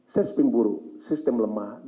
sistem buruk sistem lemah